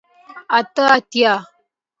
اته اتیا